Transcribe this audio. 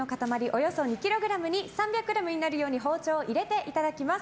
およそ２ｋｇに３００ｇになるように包丁を入れていただきます。